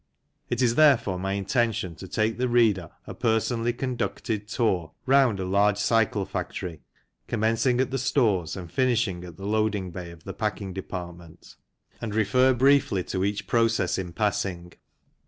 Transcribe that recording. It is, therefore, my intention to take the reader a per sonally conducted tour round a large cycle factory, commencing at the stores and finishing at the loading bay of the packing department, and refer briefly to each process in passing.